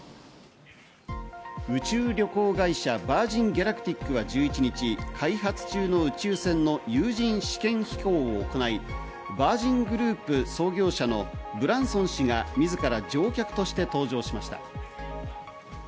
宇宙旅行会社ヴァージン・ギャラクティックは１１日、開発中の宇宙船の有人試験飛行を行い、ヴァージングループ創業者のブランソン氏が自ら乗客として搭乗しました。